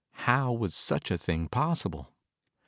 How was such a thing possible?